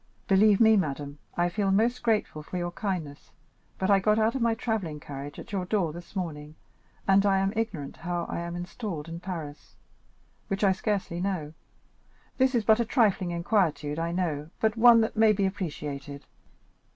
"Believe me, madame, I feel most grateful for your kindness, but I got out of my travelling carriage at your door this morning, and I am ignorant how I am installed in Paris, which I scarcely know; this is but a trifling inquietude, I know, but one that may be appreciated."